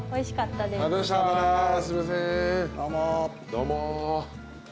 どうも。